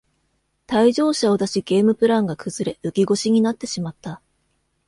退場者を出しゲームプランが崩れ浮き腰になってしまった